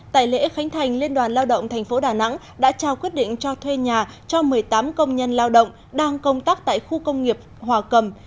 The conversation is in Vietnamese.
tại lễ khánh thành liên đoàn lao động tp đà nẵng đã trao quyết định cho thuê nhà cho một mươi tám công nhân lao động đang công tác tại khu công nghiệp hòa cầm